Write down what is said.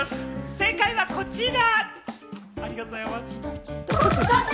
正解はこちら！